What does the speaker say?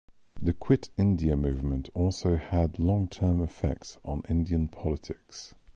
The Quit India Movement also had long-term effects on Indian politics.